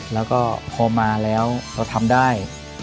แล้วก็พอมาแล้วเราทำได้